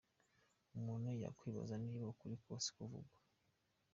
Umuntu yakwibaza niba ukuri kose kuvugwa.